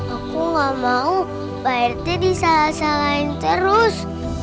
aku gak mau pak rt bisa salahin terus